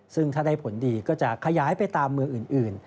ซึ่งถ้าได้ผลดีก็จะขยายไปตามเมืองอื่น